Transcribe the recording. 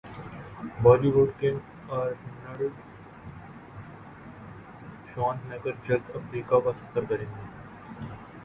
Bali would king Arnold Schwarzenegger جلد افریقہ کاسفر کریں گے